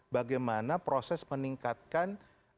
bagaimana proses meningkatkan